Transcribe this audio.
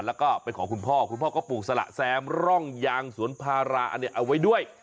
แล้วก็เป็นของคุณพ่อคุณพ่อก็ปลูกสละแซมร่องยางสวนพาราอันนี้เอาไว้ด้วย